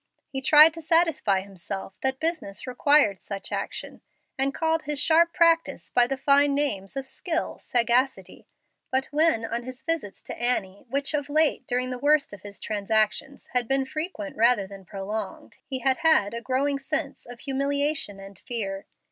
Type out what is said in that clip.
He tried to satisfy himself that business required such action, and called his sharp practice by the fine names of skill, sagacity. But when on his visits to Annie, which, of late, during the worst of his transactions, had been frequent rather than prolonged, he had had a growing sense of humiliation and fear.